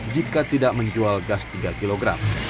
jika tidak menjual gas tiga kg